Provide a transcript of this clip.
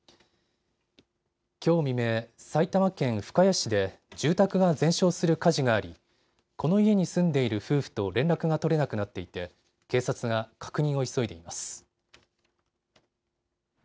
きょう未明、埼玉県深谷市で住宅が全焼する火事がありこの家に住んでいる夫婦と連絡が取れなくなっていて警察が確認を急いでいます。